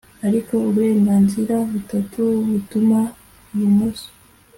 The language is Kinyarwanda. ariko uburenganzira butatu butuma ibumoso